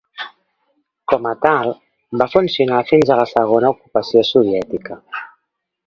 Com a tal, va funcionar fins a la segona ocupació soviètica.